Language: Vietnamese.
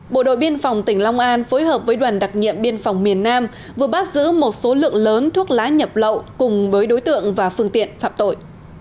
bộ đội biên phòng tỉnh long an phối hợp với đoàn đặc nhiệm biên phòng miền nam vừa bắt giữ một số lượng lớn thuốc lá nhập lậu cùng với đối tượng và phương tiện phạm tội